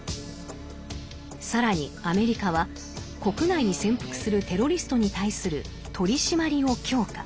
更にアメリカは国内に潜伏するテロリストに対する取締りを強化。